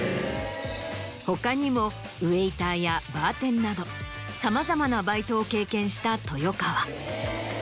他にもウェイターやバーテンなどさまざまなバイトを経験した豊川。